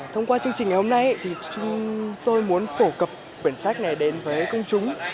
thông qua chương trình ngày hôm nay tôi muốn phổ cập cuốn sách này đến với công chúng